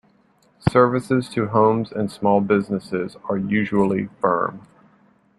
Services to homes and small businesses are usually firm.